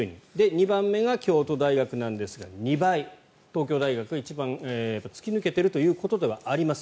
２番目が京都大学なんですが２倍東京大学が一番突き抜けているということではあります。